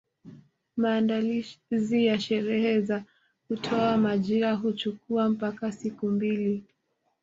Maandalizi ya sherehe za kutoa majina huchukua mpaka siku mbili